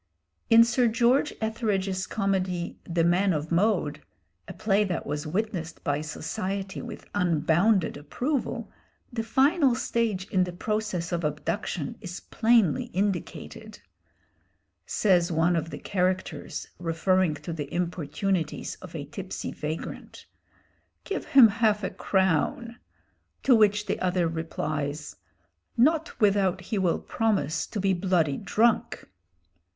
In Sir George Etheredge's comedy, 'The Man of Mode,' a play that was witnessed by society with unbounded approval, the final stage in the process of abduction is plainly indicated. Says one of the characters, referring to the importunities of a tipsy vagrant, "Give him half a crown!" to which the other replies, "Not without he will promise to be bloody drunk!"